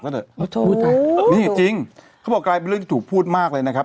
แล้วเถอะโอ้โธนี่จริงเขาบอกกลายเป็นเรื่องที่ถูกพูดมากเลยนะครับ